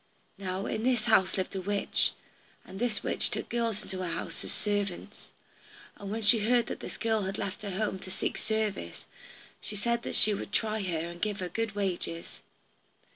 Now in this house there lived a witch, and this witch took girls into her house as servants. And when she heard that this girl had left her home to seek service, she said that she would try her, and give her good wages.